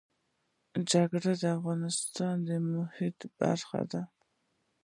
جلګه د افغانستان د طبیعت برخه ده.